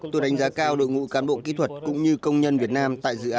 tôi đánh giá cao đội ngũ cán bộ kỹ thuật cũng như công nhân việt nam